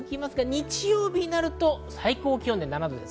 日曜日になると最高気温で７度です。